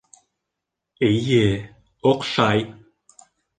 Эйе, оҡшай!